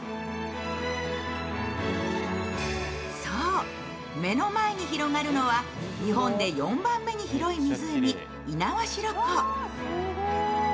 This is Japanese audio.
そう、目の前に広がるのは日本で４番目に広い湖・猪苗代湖。